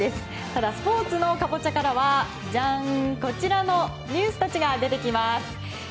ただ、スポーツのカボチャからはこちらの選手たちが出てきます。